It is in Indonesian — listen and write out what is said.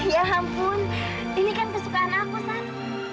ya ampun ini kan kesukaan aku kan